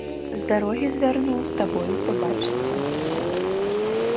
З дарогі звярнуў з табою пабачыцца.